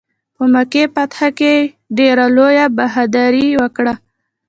په مکې فتح کې ډېره لویه بهادري وکړه.